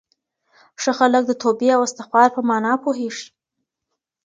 ښه خلک د توبې او استغفار په مانا پوهېږي.